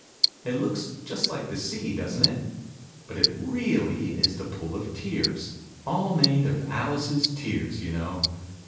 It looks just like the sea, doesn't it ? But it really is the Pool of Tears all made of Alice's tears, you know